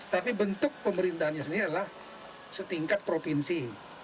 tapi bentuk pemerintahnya sendiri adalah setingkat provinsi